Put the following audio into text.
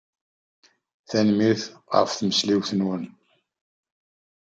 Tanemmirt ɣef tmesliwt-nwen.